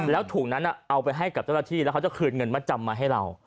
แล้วถุงนั้นเอาไปให้กับเจ้าหน้าที่แล้วเขาจะคืนเงินมาจำมาให้เรา